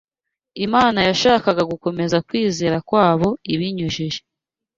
Imana yashakaga gukomeza kwizera kwabo ibinyujije